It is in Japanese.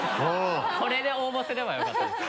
これで応募すればよかったですね。